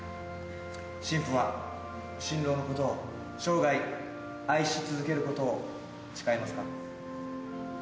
新婦は新郎のことを生涯愛し続けることを誓いますか？